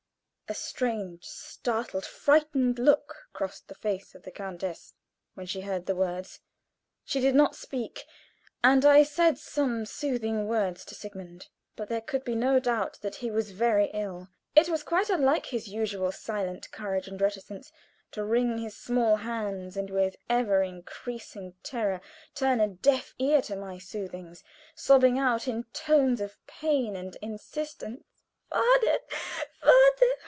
A strange, startled, frightened look crossed the face of the countess when she heard the words. She did not speak, and I said some soothing words to Sigmund. But there could be no doubt that he was very ill. It was quite unlike his usual silent courage and reticence to wring his small hands and with ever increasing terror turn a deaf ear to my soothings, sobbing out in tones of pain and insistence: "Father! father!